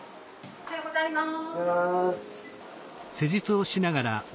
おはようございます。